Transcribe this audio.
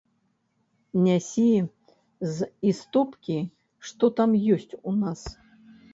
Нясі з істопкі, што там ёсць у нас.